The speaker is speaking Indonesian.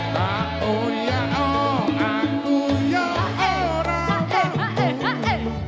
tak uya oh aku ya orang bangku